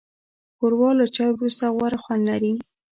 ښوروا له چای وروسته غوره خوند لري.